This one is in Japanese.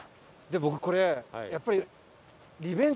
僕これやっぱり。